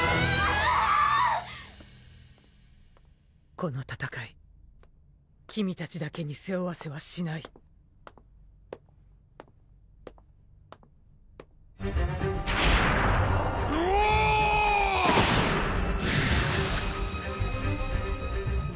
この戦い君たちだけに背負わせはしないウオーッ！